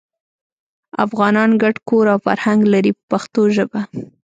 افغانان ګډ کور او فرهنګ لري په پښتو ژبه.